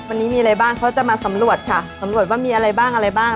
วันนี้มีอะไรบ้างเขาจะมาสำรวจค่ะสำรวจว่ามีอะไรบ้างอะไรบ้าง